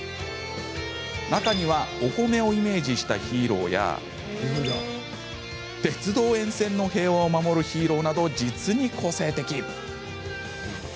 中にはお米をイメージしたヒーローや鉄道沿線の平和を守るヒーローなど、実に個性的。